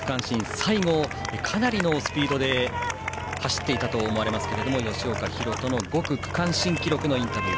最後、かなりのスピードで走っていたと思いますが吉岡大翔の５区区間新記録のインタビュー。